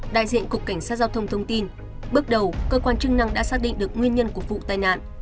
đại diện cục cảnh sát giao thông thông tin bước đầu cơ quan chức năng đã xác định được nguyên nhân của vụ tai nạn